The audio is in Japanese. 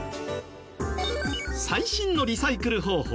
最新のリサイクル方法